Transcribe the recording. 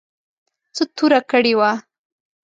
څه توره کړې وه.